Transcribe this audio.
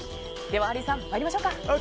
では、ハリーさん参りましょうか。ＯＫ！